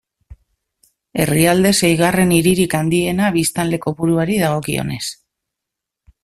Herrialde seigarren hiririk handiena biztanle kopuruari dagokionez.